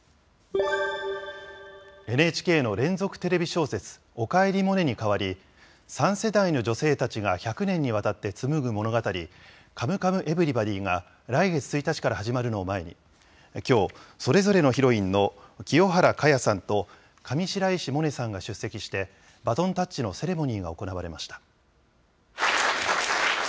ＮＨＫの連続テレビ小説、おかえりモネに代わり、３世代の女性たちが１００年にわたって紡ぐ物語、カムカムエヴリバディが来月１日から始まるのを前に、きょう、それぞれのヒロインの清原果耶さんと、上白石萌音さんが出席して、バトンタッチのセレモニーが行われました。